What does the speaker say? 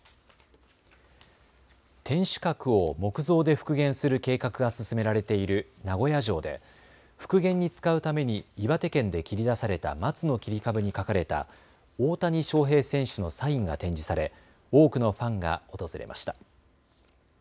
天守閣を木造で復元する計画が進められている名古屋城で復元に使うために岩手県で切り出されたマツの切り株に書かれた大谷翔平選手のサインが展示され多くのファンが訪れました。